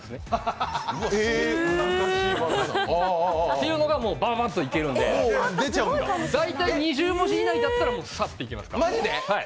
っていうのがババっといけちゃうので大体２０文字以内だったら、サッといけますので。